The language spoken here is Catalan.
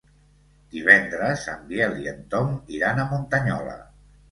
Divendres en Biel i en Tom iran a Muntanyola.